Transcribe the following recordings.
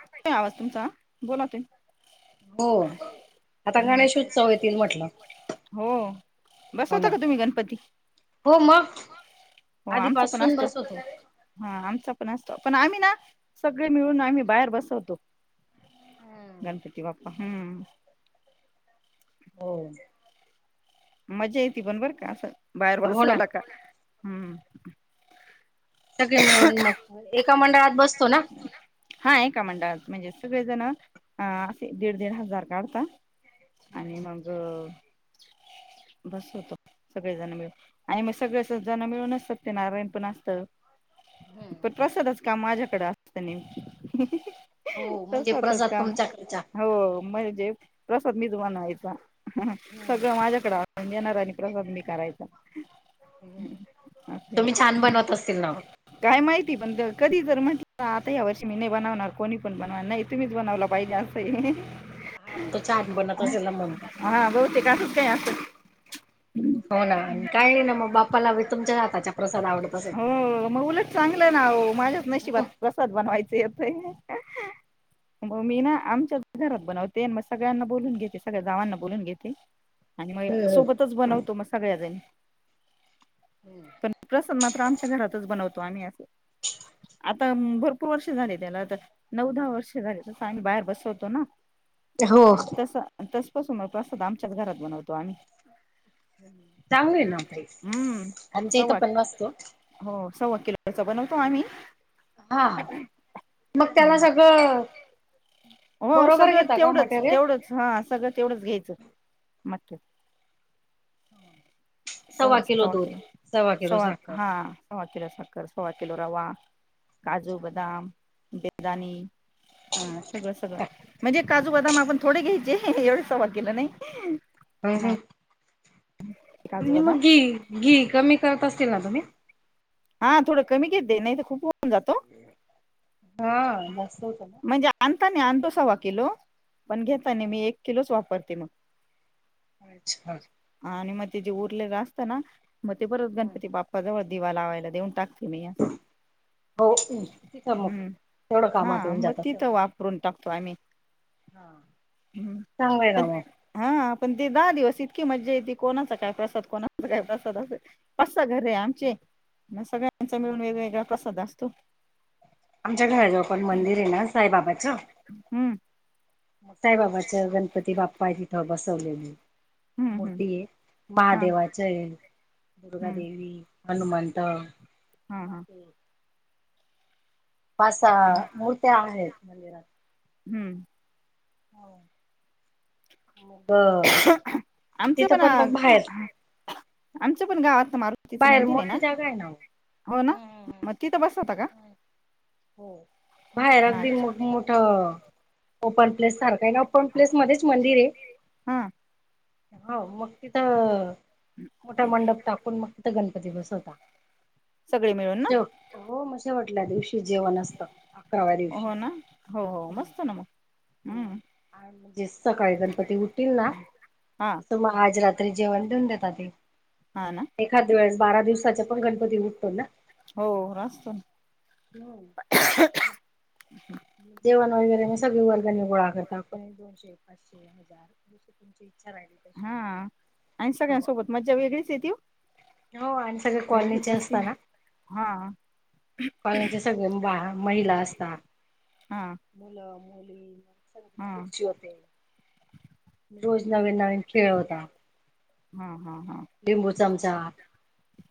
हातय आवाज तुमचा बोला त हो आता हम्म, गणेशोत्सव येतील म्हटलं हो हो बसवता ना का तुम्ही गणपती हो मग हो आमचा पण आधीपासून असतो. बसवतो हा आमचा असत. पण, आम्ही ना सगळे मिळून आम्ही बाहेर बसवतो हम्म गणपती बा्पा हम्म.. हो मज्जा येतती पण, बर का असं बाहेर हो ना बसवला का हम्म.. सगळे मिळून मग एका मंडळात बसतो ना हा आहे? का मंडळात म्हणजे सगळे जण अस दीड, दीड हजार काढतात आणि हम्म मग, बस होत. सगळेजण मिळून आणि मग सगळे जण मिळूनच सत्य नारायण पण असतं. पण, प्रसादच का माझ्याकडे असतं न हो तस म्हणजे होतच प्रसाद काम तुमच्याकडचा हो म्हणजे.. प्रसाद मझवन आयता ह हम्म माझ्याकडे येणारा आणि प्रसाद मी करायचा. अस तुम्ही छान बनवत असतील ना काय माहिती पण कधी तर म्हटलं, आता या वर्षी मी नाही बनवणार कोणी पण बनवणार नाही. तुम्हीच बनवला पाहिजे असं. हा मग तो छानपणत असेला म्हणतात. तेय अस. हो ना, काय आहे ना मग बाप्पाला तुमच्या हाताच्या प्र हो मग उलट चांगलं ना, माझ्याच हम्म नशिबात प्रसाद बनवायचे. [unintelligible] म मी ना, आमच्या घरात बनवते मग सगळ्यांना बोलून घेते सगळ्या गावांना बोलून घेते. आणि मग सोबतच बनवतो मग सगळ्याजणी पण प्रसन म बनतो आम्ही अस आता भरपूर वर्ष झाले त्याला तर नऊ दहा वर्ष झाले तस आम्ही बाहेर बसवतो ना हो म तस तसपासून मग प्रसाद आमच्याच घरात बनवतो आम्ही चांगलं आहे ना पाई हम्म अच्या इथ सव्वा पण वाचतो हो सव्वा किलच बनवतो आम्ही हा मग त्याला सगळं हो बरोबर सगळं घेता का तेवढंच मटेरियल? तेवढंच हा सगळं तेवढंच घ्यायचं माते सव्वा स्वा सवा दूध. किलो सव्वा किलो सवा साखर. हा सवा किला साखर स्वा किो रवा काजू अच्छा हो बदम हो. बिदणी सगळं सगळं म्हणजे काजू बदाम आपण थोडे घ्यायचे एवढे सभाग केलं नाही वस काजू आणि बदाम मग घी घी कमी करत असतील ना तुम्ही हा थोडं कमी घेत दे नाही तर खूप होऊन जातो हा बसू तला म्हणजे आणतो सवा किलो पण घेता नाही मी एक किलोच वापरते मग अच्छा आणि मग ते जे उरलेलं असत ना मग ते परत हम्म. गणपती बाप्पा जवळ दिवा लावायला देऊन टाकत हो तिथ आहे मग हम्म थोडं हा मग तिथं वापरून टाकतो आम्ही हा हम्म चांगय ना पण म हा पण ते दहा दिवस इतकी मजा येते कोणाचा काय प्रसाद कोणाचा काय प्रसाद अस घर आहे आमचे सगळ्यांचा मिळून वेगवेगळा कसाद असतो माच्या घराजव पण मंदिर आहे ना साईबाबाच हम्म साईबाबाच्या गणपती बाप्पा तिथं बसवलेले हम्म हम्म मूर्ती आहे हा महादेवाचे हम्म दुर्गादेवी हनुमंत हा म हा पा अस मूर्त्या आहेत मिरात हम्म हो ब तिथं पण मग बाहेर आमचं पण गावात ना मारुतीचं बाहेर मंदिर आहे ना मोठी जागा ना ओ. हो ना मग तिथं बस होता का हो बाहेर हा अगदी मोठ ओपन प्लेस सारखा आहे ना ओपन प्लेस मध्येच मंदिर आहे हा होा मग तिथं मोठा मंडप टाकून मग तिथं गणपती बसवता सगळे मिळून ना ेव हो मे वाटल्या दिवशी जेवण असत हो ना हो हो मस्त ना मग हम्म आणि म्हणजे सकाळी गणपती उठतील ना हा तसं मग आज रात्री जेवण देऊन देत तेी हा ना एखाद वेळेस बारा दिवसाचा पण गणपती उठतो ना हो असतो ना हम्म जेवण वगैरे मग सगळे वर्गाने गोळा करतात को दोनशे पाचशे हजार तुमची इच्छा राहिली तशी हा आणि हो सगळ्यांसोबत मज्जा वेगळीच येत हो आणि सगळे कॉलनीचे असतना हा कॉचे सगळे बा महिला असतात हा मुलं मुली हा संगीत खुर्ची होते रोज नवीन नवीन खेळ होता हा हा हा लिंबू चमचा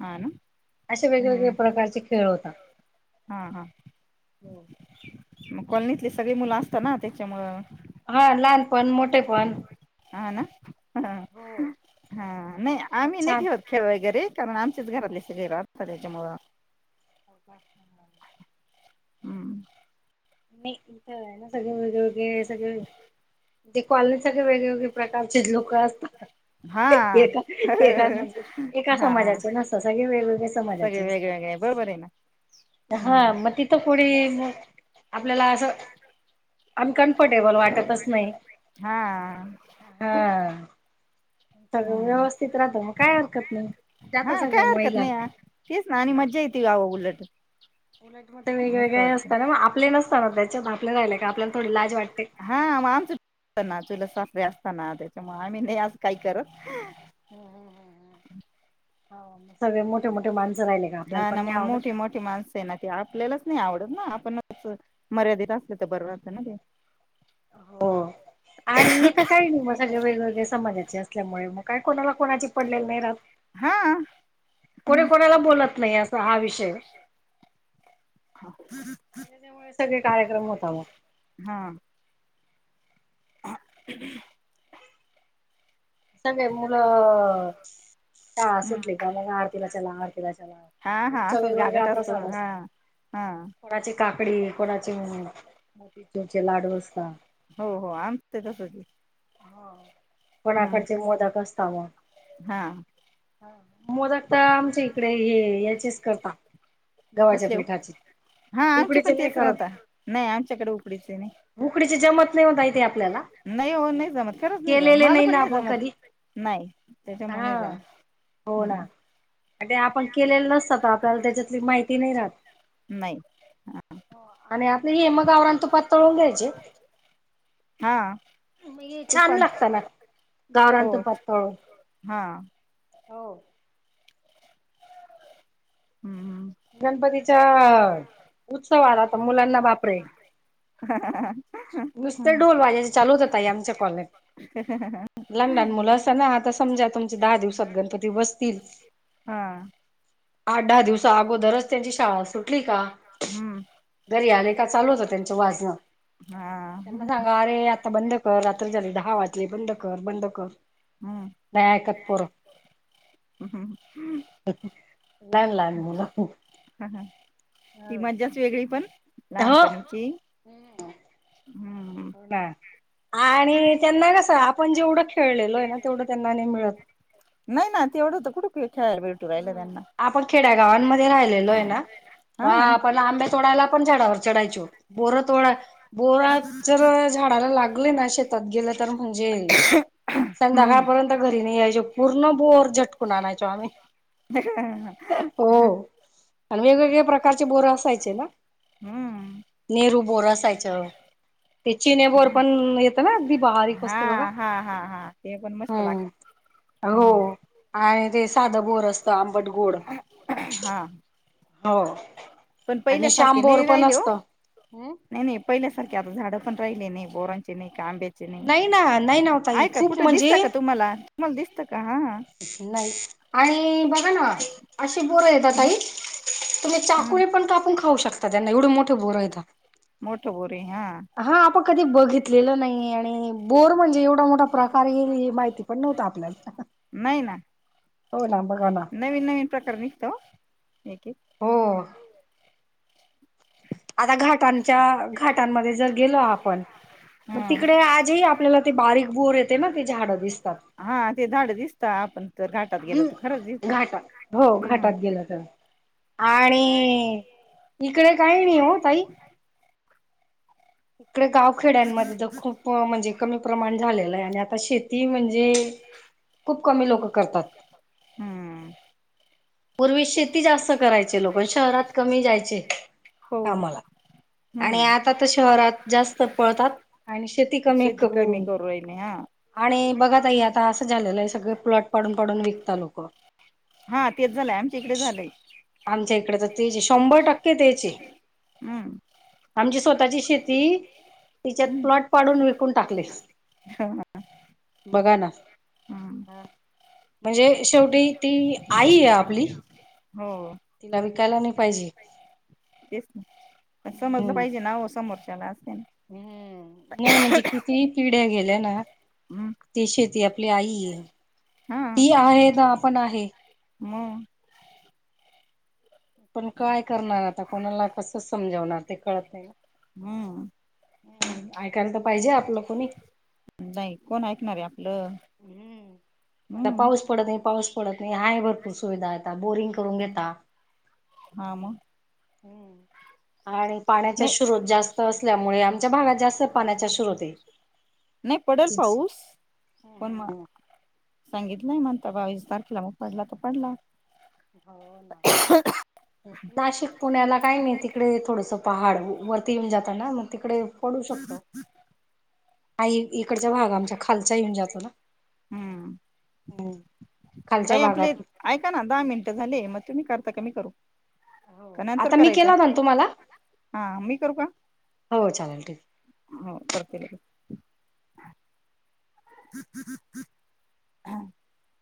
ह ना असे वेगवेगळे्या हम्म प्रकारचे खेळ होतात हा हा मग कॉलनीतले सगळे मुलं असतात ना त्याच्यामुळ हा लहानपण मोठे पण हा ना हो हा नाही मग आम्ही नाही छान ठेऊत खेळ वगैरे कारण आमचेच घरातली सले रात त्याच्यामुळं हो का हम्म नाही इथं आहे ना सगळे वेग वेगळे सगळे ण तेे क्ॉलनीसाठी वेगळे वगळे प्रकारचे लोक हा असतात एका एका म्हणजे एका हा हा समाजाचे नसत सगळे वेगवेगळे्या समाजाचे सगळे नसतात वेगवेगळे बरोबर आहे ना हम्म हा मग तिथं कोणी मग आपल्याला असं अनकम्फर्टेबल वाटतच नाही हा हा सगळं हम्म व्यवस्थित राहत काय हरकत नाही जाता हा काय सगळ्या हरकत महिला नाही तेीच ना आणि मज्जा येते गावं उलट उलट म मस्त वेगवेगळे वाटत असतना ना मग आपले नसतना त्याच्यात आपले राहिले का आपल्याला थोडी लाज वाटते हा आमच ना असताना त्याच्यामुळे आम्ही नाही आज काही करत हम् हम् हम् हम् ह मस् हा ना मग आवडत मोठी मोठी माणस आहे ना त आपल्यालाच नाही आवडत ना आपणच मर्यादित असल तर बरोबरत ना ते हो आणि इथं काही नाही मग सगळ वेगवेगळ्या समाजाचे असल्यामुळे काय कोणाला कोणाची पडलेली नाही राात हा कोणी कोणाला बोलत नाही असा हा विषय त्याच्यामुळे सगळे कार्यक्रम होता मग ह सगय मुलं त सुटली का मग आरतीला चला आरती हा हा रोजचा असंच वेग ववेगळा गागट प्रसाद हा असतो हा कोणाची काकडी कोणाचे मोती चमचे लाडू असत हो हो आमते तसं की हा पणाकडचे मोदक असत मग हा मोदक आता आमच्या इकडे हे याचेच करता गव्हाच्या कसले हो पिठाचे हा आमचे पण तेच राह्हता नाही आमच्याकडे उकडीचे नाही उकडीचे जमत नाही होताय ते आप नाही होन नाही जमत खरंच नाही जमत मला पण ना नाही आपण जमत कधी नाही त्याच्या हा म जाम हो ना ते आपण केलेलं नसतात आपल्याला त्याच्यातली माहिती नाही राहत नाही आणि आपलं हे मगावरण तु पात तळवून द्यायचे हा तू छान पण लागत ना गावरां हो तो पळून हा हो हम्म गणपतीच्या उत्सव आ आता मुलांना बापरे नुसत हम्म, ढोल वाजाचे चालूत होताई आमच्या कॉलेज लंडाान मुलं असा ना आता समजा तुमचे दहा दिवसात गणपती बसतील हा आठ दहा दिवसा अगोदरच त्यांची शाळा सुटली का हम्म घरी आले चालू हो त्यांच वाजणं हा त्यांना सांगा अरे आता बंद कर रात्री झाली दहा वाजले बंद कर बंद कर हम्म नाही ऐकतपर हम्म, लहान लहान म्ह राखू हा हा. नाान पणची होड आणि त्यांना कस आपण जेवढं खेळलेलो आहे ना तेवढं त्यांना मिळत नाही ना तेवढं होत कुठं खेळायला भेटू राहिलं त्यांना गावमध्ये राहिल आहे ना हा आपला आब तोडाय आपण चडावर चढायचो बोरतो बोरात जर झाडाला लागले ना शेतात गेलं तर म्हणजे हम्म संध्याकाळपर्यंत घरी नाही यायचो पूर्ण बोर झटकून आणायचो आम्ही ह हा हो आणि वेगवेगळ्या प्रकारचे बोर असायचे ना हम्म नेरू बोर असायचं ते चिने बोर पण येतं ना अगदी बारीक हा असत बघा हा हा हा ते पण मस्त हम्म लागत हो हम् आणि ते साधं बोर असत आंबट गोड हा हो पण आणि पहिल्यासारखे श्यामबोर नाही पण राहिले हो असतं हम्म नाही नाही पहिल्यासारखे आता झाड पण राहिले नाही बोरांचे नाही कांब्याचे नाही ना नाही ना ओ ताई आहेय का खूप कुठे म्हणजे दिसत का तुम्हाला मग दिसतात नाही आणि बघा ना अशी बोरं येतात हम्म काई तुम्ही हम्म चाकुळे पण कापून खाऊ शकता त्यांना एवढे मोठे बोर येत मोठ बोर हा आपण कधी बघित लेलं नाही आणि बोर म्हणजे एवढा मोठा प्रकार येईल हे माहिती पण नव्हता आपल्याला नाही ना हो ना ना नवीन नवीन प्रकार निघतो एक एक हो आता घाटांच्या घाटांमध्ये जर गेलो आपण मग हा तिकडे आजही आपल्याला ते बारीक बोर येते ना ते झाडं दिसतात हा ते झाड दिसत आपण तर घाटात गेलो तर खरंच हम् दिसत घाटात हो घाटात हम्म गेलं तर आणि इकडे काही नाही हो तई इकडे गावखेड्यांमध्ये तर खूप म्हणजे कमी प्रमाण झालेलं आहे आणि आता शेती म्हजे े खूप कमी लोक करतात हम्म पूर्वी शेती जास्त करायचे लोक शहरात कमी जायचे हो कामाला आणि हम्म आता तर शहरात जास्त पळतात आणि शेती कमी कमी होऊन करू राहिली हा आणि बघा तई आता असं झालेलं आहे सगळ प्लॉट पडून पडून विकत लोक. हा तेच झालंय आमच्या इकडे झालंय आमच्या इकडे तर तेचे शंभर टक्के त्याचे हम्म. स्ःची शेती तिच्यात प्लॉट पाडून विकून टाकली. हा. बघा ना ह म्हणजे शेवटी ती आई आहे आपली हो तिला विकायला नाही पाहिजे. तेच समजलं हम्म पाहिजे ना हो समोरच्यालाच हम्म नाही म्हणजे कितीही पिढ्या गेल्या ना. हम्म ती शेती आपली आई आहे हा ती आहे ना आपण आहे. मग पण काय करणार आता कोणाला कस समजावणार ते कळत नाही ना. हम्म. ह ऐकायला तर पाहिजे आपलं कोणी नाही कोण ऐकणार आहे आपलं हम्म आता हम्म पाऊस पडत नाही पाऊस पडत. हाय भरपूर सुविधा आहेता बोरिंग करून घेता. हा हम्म. मग आणि पाण्याचा नाही स्रोत जास्त असल्यामुळे आमच्या भागात जास्त पाण्याचा स्रोत आहे. नाही पडेल पाऊस पण मग सांगितलंय म्हणता बावीस तारखेला मग पडला तर पडला. हो नाशिक पुण्याला काय मी तिकडे थोडस पहाड वरती येऊन जाताना मग तिकडे पडू शकतो. नाही इकडचा भाग आमच्या खालचा येऊन जातो ना. हम्म हम्म. खालच्या ताई आपले भागात ऐका ना दहा मिनट. झाले मग तुम्ही करता की मी करू. का हो नंतर आता मी करायचं केला होता ना तुम्हाला हा मी करू का? हो चालेल ठीक. हो करते. [unintelligible]